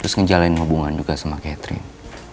terus ngejalanin hubungan juga sama catherine